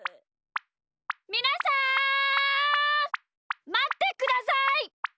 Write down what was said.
みなさんまってください！